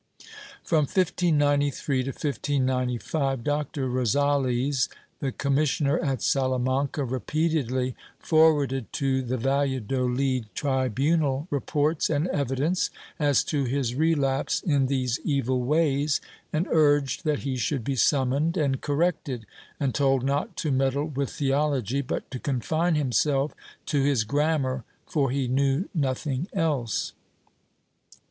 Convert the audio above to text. From 1593 to 1595, Dr. Rosales, the commis sioner at Salamanca, repeatedly forwarded to the Valladolid tri bunal reports and evidence as to his relapse in these evil ways, and urged that he should be summoned and corrected and told not to meddle with theology but to confine himself to his grammar, for he knew nothing else.